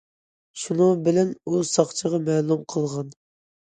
شۇنىڭ بىلەن ئۇ ساقچىغا مەلۇم قىلغان.